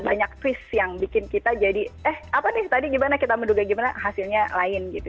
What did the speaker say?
banyak twist yang bikin kita jadi eh apa deh tadi gimana kita menduga gimana hasilnya lain gitu